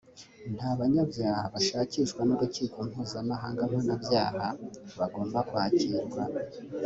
nta banyabyaha bashakishwa n’urukiko mpuzamahanga mpanabyaha bagomba kwakirwa